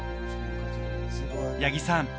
八木さん